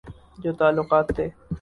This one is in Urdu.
جو تعلقات تھے۔